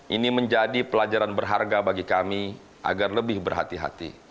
ini menjadi pelajaran berharga bagi kami agar lebih berhati hati